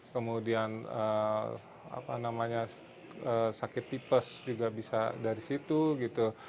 kemudian sakit tipes juga bisa dari situ